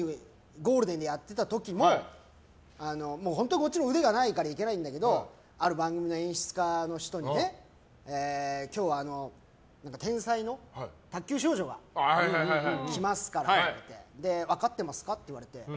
ゴールデンでやってた時も本当こっちの腕がないからいけないんだけどある番組の演出家の人に今日は天才の卓球少女が来ますからって分かってますかって言われて。